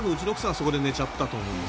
そこで寝ちゃったと思うんです。